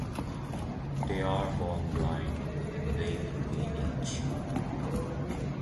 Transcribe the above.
They are born blind and weigh between each.